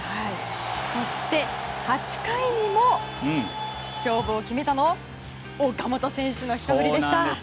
そして、８回にも勝負を決めたのは岡本選手のひと振りでした。